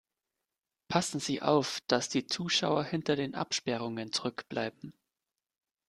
Passen Sie auf, dass die Zuschauer hinter den Absperrungen zurückbleiben.